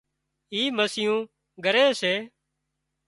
اِي مسيون ڳريس سي